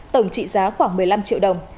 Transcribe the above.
tổng trị giá khoảng một mươi năm triệu đồng